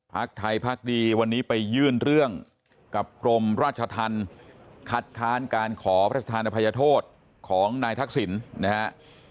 พักไทยพักดีวันนี้ไปยื่นเรื่องกับกรมราชธรรมคัดค้านการขอพระธานอภัยโทษของนายทักษิณนะฮะ